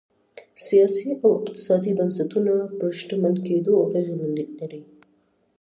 سیاسي او اقتصادي بنسټونه پر شتمن کېدو اغېز لري.